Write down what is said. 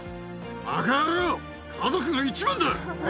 ばか野郎、家族が一番だ。